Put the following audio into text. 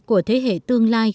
của thế hệ tương lai